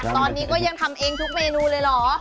ตอนนี้ก็ยังทำเองทุกเมนูเลยเหรอ